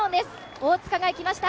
大塚が行きました。